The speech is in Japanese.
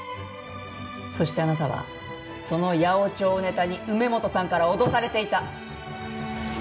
そしてあなたはその八百長をネタに梅本さんから脅されていた。